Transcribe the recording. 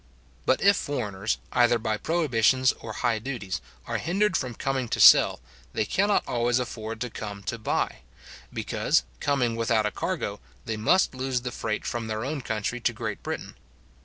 But if foreigners, either by prohibitions or high duties, are hindered from coming to sell, they cannot always afford to come to buy; because, coming without a cargo, they must lose the freight from their own country to Great Britain.